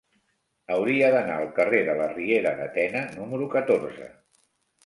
Hauria d'anar al carrer de la Riera de Tena número catorze.